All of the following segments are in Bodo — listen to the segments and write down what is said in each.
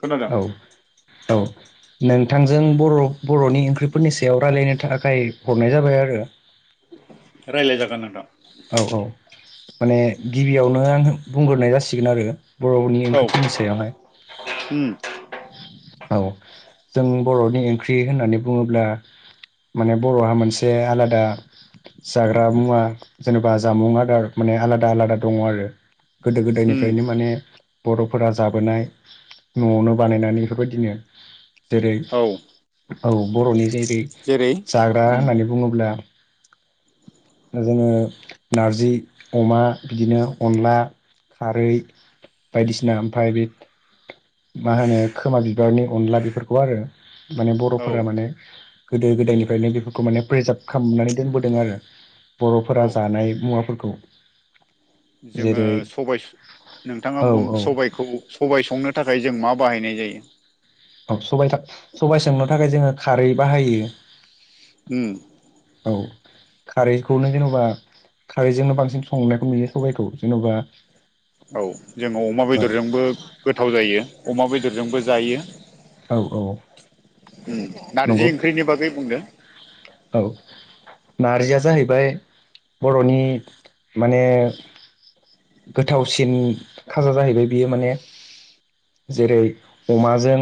खोनादों औ औ नोंथांजों बर' बर'नि ओंख्रिफोरनि सायाव रायलायनो थाखाय हरनाय जाबाय आरो रायज्लाय जागोन आरोना औ औ माने गिबियावनो आं बुंग्रोनाय जासिगोन आरो बर'नि औ ओंख्रिफोरनि सायावहाय उम [inaudible] औ जों बरनि ओंख्रि होननानै बुंङोब्ला माने बरहा मोनसे आलादा जाग्रा मुवा जेनबा जामुं आदार माने आलादा आलादा दंङ आरो गोदो उम गोदायनिफ्रायनो माने बरफोरा जाबोनाय नआवनो बानायनानै बेफोरबायदिनो जेरै औ औ बरनि जेरै जाग्रा उम होननानै बुङोब्ला [inaudible] बिदिनो नारजि अमा बिदिनो अनला खारै बायदिसिना ओमफ्राय बे मा होनो खोमा बिबारनि अनला बेफोरखौ आरो माने औ बरफोरा माने गोदो गोदायनिफ्रायनो बेफोरखौ माने प्रिजार्भ खालामनानै दोनबोदों आरो बरफोरा औ जानाय मुवाफोरखौ [inaudible] जोंङो जेरै सबाइ नोंथाङा औ बुं सबाइखौ सबाय संनो थाखाय जों मा बाहायनाय जायो औ सबाय था सबाइ संनो थाखाय जोंङो खारै बाहायो। ओम औ खारैखौनो जेनबा खारैजोंनो बांसिन संनायखौ नुयो सबाइखौ जेनबा औ जोंङो अमा बेदरजोंबो गोथाव जायो अमा बेदरजोंबो जायो औ औ [inaudible] नंगौ नारजि ओंख्रिनि बागै बुंदो औ नारजिया जाहैबाय बर'नि माने गोथावसिन खाजा जाहैबाय बियो माने जेरै अमाजों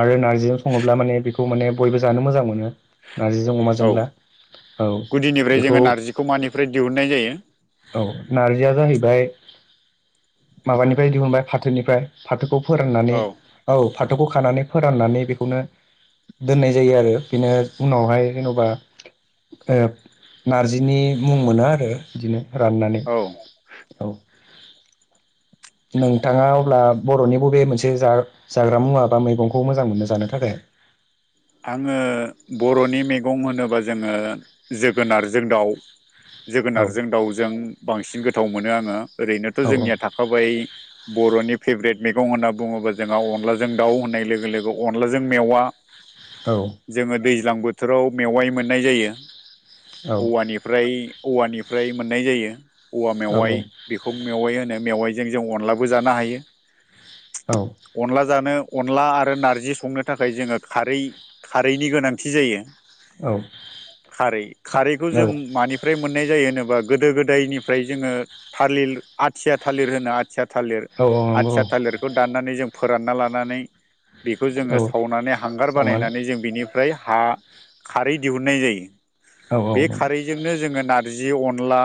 आरो नार्जिजों सङोब्ला माने बेखौ माने बयबो जानो मोजां मोनो नारजिजों औ अमाजोंब्ला औ गुदिनिफ्राय बेखौ जोङो नारजिखौ मानिफ्राय दिहुननाय जायो। औ नारजिया जाहैबाय माबानिफ्राय दिहुनबाय फाथोनिफ्राय फाथोखौ फोराननानै औ औ फाथौखौ खानानै फोराननानै बेखौनो दोननाय जायो आरो बेनो उनावहाय जेन'बा ओ नारजिनि मुं मोनो आरो बिदिनो राननानै औ औ। नोंथाङा अब्ला बर'नि बबे मोनसे जा जाग्रा मुवा बा मैगंखौ मोजां मोनो जानो थाखाय [inaudible] आङो बर'नि मैगं होनोबा जोङो जोगोनारजों दाउ औ जोगोनारजों दाउजों बांसिन गोथाव मोनो आङो ओरैनोथ' औ जोंनिया थाखाबाय बर'नि फेभरेट मैगं होनना बुङोब्ला जोंहा अनलाजों दाउ होननाय लोगो लोगो अनलाजों मेवा औ जोङो दैज्लां बोथोराव मेवाइ मोननाय जायो। औ औवानिफ्राय औवानिफ्राय मोननाय जायो। औवा औ मेवाइ बेखौ मेवाइ होनो मेवाइजों जों अनलाबो जानो हायो। औ अनला जानो अनला आरो नारजि संनो थाखाय जोङो। खारै खारैनि गोनांथि जायो। औ खारै खारैखौ जों नंगौ मानिफ्राय मोननाय जायो होनोबा। गोदो गोदायनिफ्राय जोङो थालिल आथिया थालिर होनाय आथिया थालिर औ आथिया थालिरखौ दाननानै जों फोरानना लानानै बेखौ जोङो औ सावनानै हांगार सावनानै बानायनानै जों बिनि फ्राय हा खारै दिहुननाय जियो औ औ बे खारैजोंनो जोङो ना जि अनला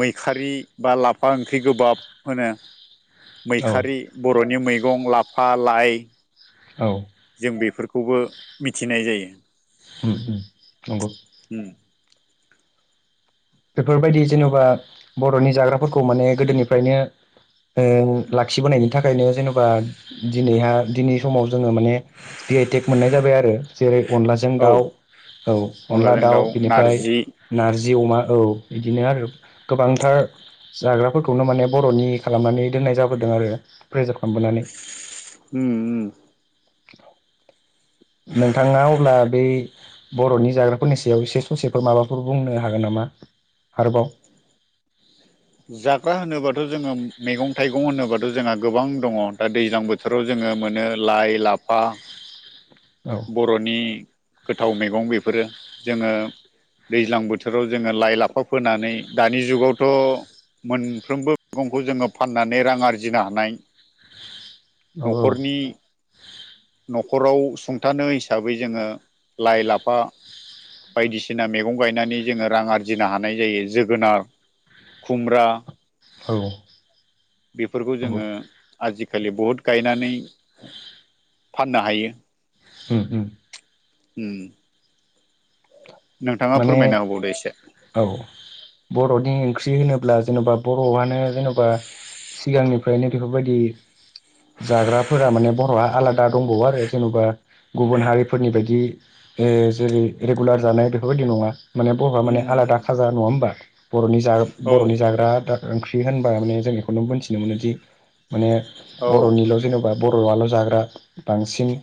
मैखारि बा लाफा ओंख्रि गोबाब होनो औ मैखारि बर'नि मैगं लाफा लाइ औ जों बेफोरखौबो मिथिनाय जायो। ओम ओम नंगौ बेफोरबायदि जेन'बा बर'नि जाग्राफोरखौ माने गोदोनिफ्रायनो ओ लाखिबोनायनि थाखायनो जेनेबा दिनैहा दिनै समाव जोङो माने जि आइ टेक मोननाय जाबाय आरो जेरै अनलाजों औ दाउ औ अनला अनलाजों दाउ बिनिफ्राय नारजि नारजि अमा औ बिदिनो आरो गोबांथार जाग्राफोरखौनो माने बर'नि खालामनानै दोननाय जाबोदों। आरो फ्रेजाब उम नोंथाङा अब्ला बे बर'नि जाग्राफोरनि सायाव एसे ससेफोर माबाफोर बुंनो हागोन नामा आरोबाव। [inaudible] जाग्रा होनोबाथ' जोङो मैगं थाइगं होनोबाथ' जोंहा गोबां दङ दा दैज्लां बोथोराव जोङो ओ मोनो लाइ-लाफा औ बर'नि गोथाव मैगं बेफोरो जोङो दैज्लां बोथोराव जोङो लाइ लाफा फोनानै दानि जुगावथ' मोनफ्रोमबो मैगंखौ जोङो फाननानै रां आरजिनो हानाय औ न'खरनि न'खराव सं थानो हिसाबै जोङो लाइ लाफा बायदिसिना मैगं गायनानै जोङो रां आरजिनो हानाय जायो जोगोनार खुमब्रा औ बेफोरखौ नंगौ जोङो आरजि खालि बुध गायनानै फाननो हायो। उम उम। उम। नोंथाङा माने फोरमायना होबावदो एसे औ बर'नि ओंख ख्रि होनोब्ला जेन'बा बर'आनो जेनेबा सिगांनिफ्रायनो बेफोरबायदि जाग्राफोरा माने बर'आ आलादा दंबावो आरो जेन'बा गुबुन हारिफोरनि बायदि ओ जेरै रेगुलार जानाय बेफोरबायदि नङा। माने बर'हा माने उम आलादा उम खाजा नङा होमबा? बर'नि जाग औ बर'नि जाग्रा आदा ओंख्रि होनबा माने जों जों बेखौनो मोनथिनो मोनोदि माने औ बर'निल' जेन'बा बर'आल' जाग्रा बांसिन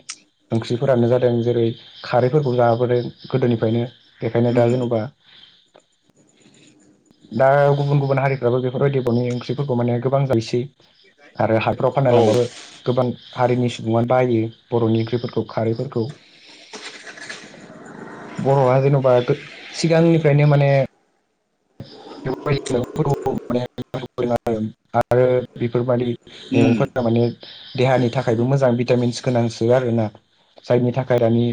ओंख्रिफोरानो जादों जेरै खारैफोरखौ जाबोदों गोदोनिफ्रायनो। बेखायनो दा उम जेनेबा दा गुबुन गुबुन हारिफ्राबो बेफोरबायदि बर'नि ओंख्रिफोरखौ माने गोबां जायोसै। आरो हाफ्राव फाननो औ लांबाबो गोबां हारिनि सुबुङानो बायो बर'नि ओंख्रिफोरखौ खारैफोरखौ। बर'आ जेन'बा गोद सिगांनिफ्रायनो माने [unintelligible] आरो बेफोरबादि उम मैगंफोरा माने देहानि थाखायबो मोजां भिटामिन्स गोनांसो आरोना। जायनि थाखाय दानि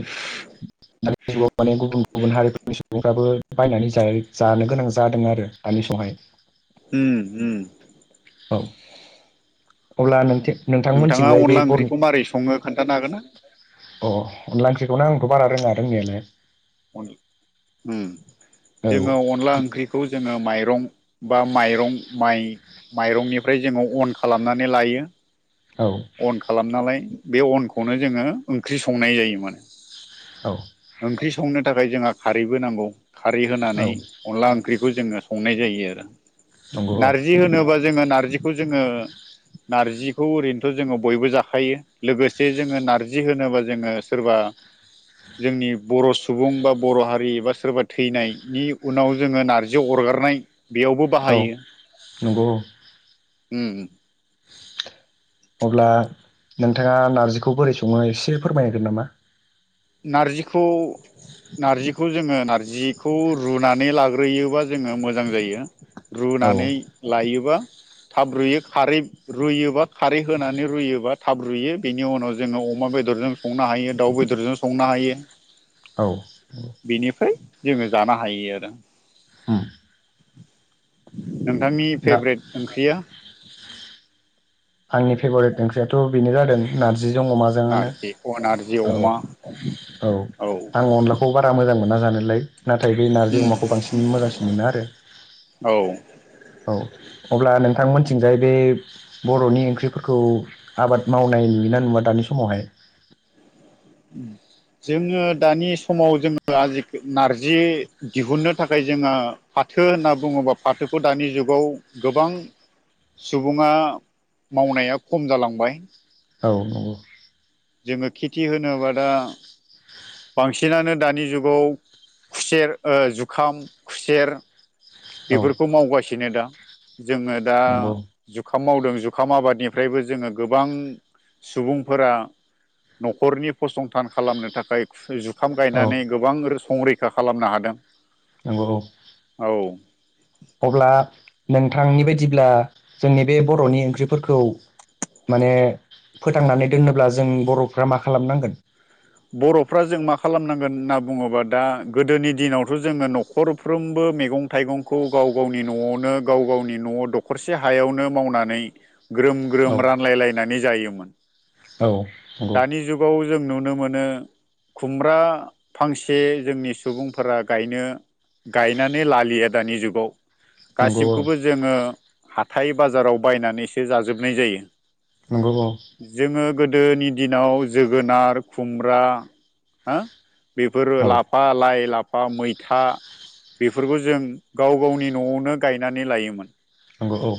दानि जुगाव माने गुबुन गुबुन हारिफोरनि सुबुंफ्राबो बायनानै ज जाय जानो गोनां जादों आरो दानि समावहाय। उम उम। औ अब्ला नोंथे नोंथाङा नोंथांमोनथिंजाय बे अनला बर'नि ओंख्रिखौ मारै सङो खोन्थानो हागोन ना? [inaudible] अ। अनला ओंख्रिखौनो आंथ' बारा रोङा रोंनायालाय। अनला उम औ जोङो अनला ओंख्रि खौ जोङो माइरं बा माइरं माइ माइरंनिफ्राय जोङो अन खालामनानै लाय यो। औ अन खालामनालाय बे अनखौनो जोङो ओंख्रि संनाय जायो माने। औ ओंख्रि संनो थाखाय जोंहा खारैबो नांगौ। खारै औ होनानै अनला ओंख्रि खौ जोङो संनाय जायो आरो। नंगौ औ नार्जि होनोबा जोङो नारजिखौ जोङो नारजिखौ ओरै थ' जोङो बयबो जाखायो लोगोसे जोङो नारजि होनोबा जोङो सोरबा जोंनि बर' सु सुबुं बा बर' हारि बा सोरबा थैनायनि उनाव जोङो नारजि अरगारनाय बेयावबो औ बाहायो। नंगौ औ। उम। [inaudible] अब्ला नोंथाङा नारजिखौ बोरै सङो एसे फोरमायगोन नामा? नारजिखौ नारजिखौ जोङो नार्जिखौ रुनानै लाग्रोयोबा जोङो मोजां जायो। औ रुनानै लायोबा थाब रुयो खारै रुयोबा खारै होनानै रुयोबा थाब रुयो बेनि उनाव जोङो अ अमा बेदरजों संनो हायो दाउ बेदरजों संनो हायो। औ औ। बेनिफ्राय जोङो जानो हायो आरो। उम। नोंथांनि दा फेब्रेट ओंख्रिया? [inaudible] आंनि फेभरेट ओंख्रियाथ' बेनो जादों नारजि। जों अमाजोङानो नारजि अ नारजि औ। अमा औ आं अनलाखौ बारा मोजां मोना। जानोलाय नाथाय बे नारजि अमाखौ बांसिन मोजांसिन मोनो आरो औ [inaudible] औ। अब्ला नोंथांमोनथिंजाय बे बर'नि ओंख्रिफोरखौ आबाद मावनाय नुयोना नुवा दानि समावहाय। उम। जोङो दानि समाव [unintelligible] नारजि दिहुननो थाखाय जोङो। फाथो होनना बुङोबा फाथोखौ दानि जुगाव गोबां सुबुङा मावनाया खम जालांबाय। औ नंगौ। जोङो खेथि होनोबा दा। बांसिनानो दानि जुगाव खुसेर, ओ जुखाम, खुसेर औ बेफोरखौ मावगासिनो दा जोङो दा नंगौ जुखाम मावदों। जुखाम आबादनिफ्रायबो जोङो गोबां सुबुंफोरा न'खरनि फसंथान खालामनो थाखाय। जुखाम औ गायनानै गोबां संरैखा खालामनो हादों। नंगौ। औ। अब्ला नोंथांनि बायदिब्ला जोंनि बे बर'नि ओंख्रिफोरखौ माने फोथांनानै दोनोब्ला जों बर'फ्रा मा खालामनांगोन। बर'फ्रा जों मा खालामनांगोन होनना बुङोबा दा गोदोनि दिनावथ' जोङो न'खरफ्रोमबो मैगं थाइगंखौ गाव गावनि न'आवनो गाव गावनि न'आव दखरसे हायावनो मावनानै ग्रोम औ ग्रोम रानलायलायनानै जायोमोन। औ नंगौ। दानि जुगाव जों नुनो मोनो खुमब्रा फांसे जोंनि सुबुंफोरा गायनो गायनानै लालिया दानि जुगाव। नंगौ औ गासिखौबो जोङो हाथाइ बाजाराव बायनानैसो जाजोबनाय जायो। नोंगौ औ। जोङो गोदोनि दिनाव जोगोनार खुमब्रा हो बेफोरो औ लाफा, लाइ, ला फा मैथा बेफोरखौ जों गाव गावनि न'आवनो गायनानै लायोमोन। नंगौ औ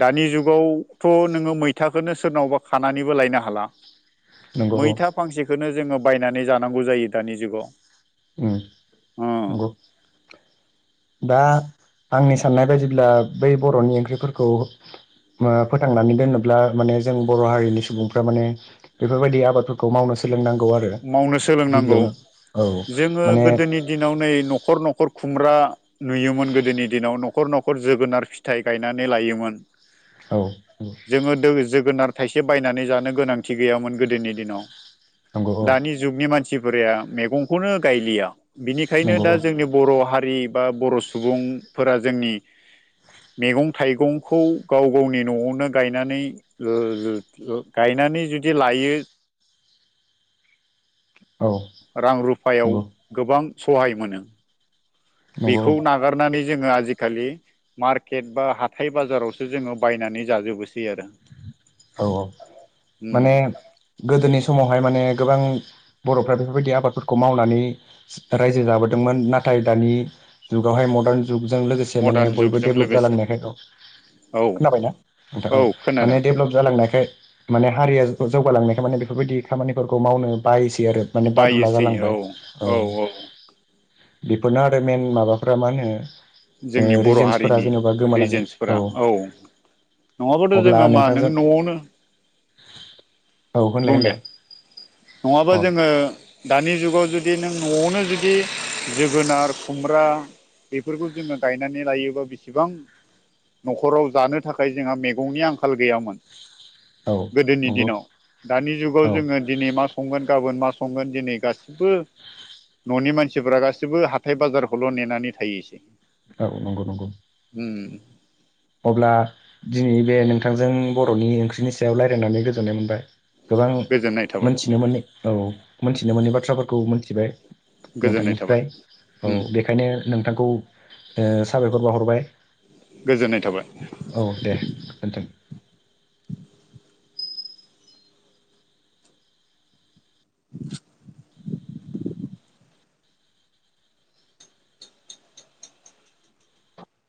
दानि जुगाव थ' नोङो मैथाखौनो नों सोरनावबा खानानैबो लायनो हाला। नंगौ। बेखौनो जोङो बायनानै जानांगौ जायो दानि जुगाव। उम ओ नंगौ। दा आंनि साननाय बायदिब्ला बै बर'नि ओंख्रिफोरखौ [unintelligible] फोथांनानै दोनोब्ला माने जों बर' हारिनि सुबुंफ्रा माने बेफोर बायदि आबादफोरखौ मावनो सोलोंनांगौ आरो मावनो सोलोंनांगौ गिबियावनो औ जोङो माने गोदोनि दिनाव नै न'खर न'खर खुमब्रा नुयोमोन गोदोनि दिनाव न'खर न'खर जोगोनार फिथाइ गायनानै लायोमोन। औ जोङो [unintelligible] जोगोनार। थाइसे बायनानै जानो गोनांथि गैयामोन गोदोनि दिनाव नंगौ औ दानि जुगनि मानसि [unintelligible] मैगंखौनो गायलिया बिनिखायनो नंगौ दा औ जोंनि बर' हारि [unintelligible] बा बर' सुबुंफोरा जोंनि। मैगं थाइगंखौ गाव गावनि न'आवनो गायनानै [unintelligible] गाय गायनानै जुदि लायो औ रां रुफायाव नंगौ गोबां सहाय मोनो नंगौ बेखौ नागारनानै जोङो आजिखालि मार्केट बा हाथाय बाजारावसो जोङो बायनानै जाजोबोसै आरो। औ औ माने गोदोनि समावहाय माने गोबां बर'फ्रा बेफोरबायदि आबादफोरखौ मावनानै रायजो जाबोदोंमोन नाथाय दानि जुगावाहाय मर्दान जुगजों लोगोसे माने मदार्न बयबो जुगजों डेभलप लोगोसे जालांनायखाय औ खोनाबायना नोंथां औ माने रोंनायखाय माने हारिया जौगालांनायखाय माने बेफोरबायदि खामानिफोरखौ मावनो बायोसै आरो माने बादुला बायोसै औ जालांबाय औ बेफोरनो आरो मेन माबाफोरा मा होनो जोंनि बर' रिजन्सफोरा हारिनि जेनेबा गोमालाङोन औ रिजेन्सफोरा नङाबाथ' अब्ला जोङो नों मा न'आवनो औ होनलाय बुं दे होनलाय नङाबा अ जोङो दानि जुगाव जुदि नों न'आवनो जुदि जोगोनार खुमब्रा बेफोरखौ जोङो गायनानै लायोबा बेसेबां न'खराव जानो थाखाय जोंहा मैगंनि आंखाल गैयामोन। औ गोदोनि नंगौ दिनाव दानि जुगाव औ जोङो दिनै मा संगोन गाबोन मा संगोन दिनै गासिबो न'नि मानसिफोरा गासैबो हाथाय बाजारखौल' नेनानै थायोसै। औ नंगौ नंगौ उम अब्ला दिनै बे नोंथांजों बर'नि ओंख्रिनि सायाव रायज्लायनानै गोजोननाय मोनबाय। गोबां गोजोननाय थाबाय मोनथिनो मोनै औ मोनथिनो मोनै बाथ्राफोरखौ मोनथिबाय गोजोननाय थाबाय नोंथांनिफ्राय औ उम। बेखायनो नोंथांखौ ओ साबायखर बावहरबाय। गोजोननाय थाबाय औ दे [inaudible] न्थों [inaudible]